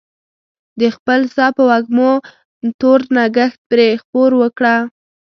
د خپل ساه په وږمو تور نګهت پرې خپور کړه